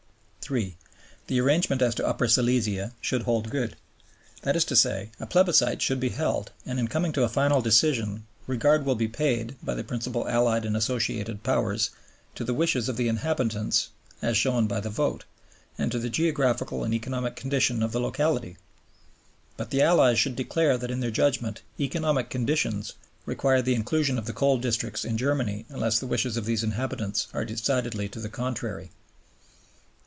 (3) The arrangement as to Upper Silesia should hold good. That is to say, a plebiscite should be held, and in coming to a final decision "regard will be paid (by the principal Allied and Associated Powers) to the wishes of the inhabitants as shown by the vote, and to the geographical and economic conditions of the locality." But the Allies should declare that in their judgment "economic conditions" require the inclusion of the coal districts in Germany unless the wishes of the inhabitants are decidedly to the contrary.